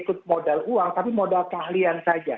kita bisa membeli modal uang tapi modal keahlian saja